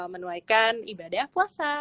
menuaikan ibadah puasa